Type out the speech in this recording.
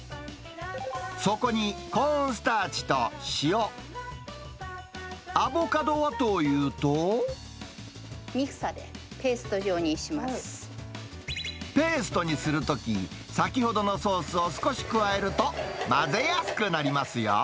そこにコーンスターチと塩、ミキサーでペースト状にしまペーストにするとき、先ほどのソースを少し加えると、混ぜやすくなりますよ。